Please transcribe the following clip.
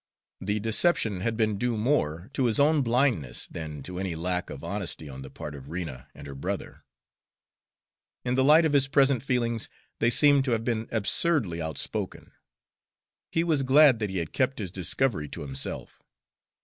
The deception had been due more to his own blindness than to any lack of honesty on the part of Rena and her brother. In the light of his present feelings they seemed to have been absurdly outspoken. He was glad that he had kept his discovery to himself.